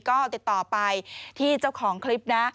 ก็ติดต่อไปที่เจ้าของคลิปนะ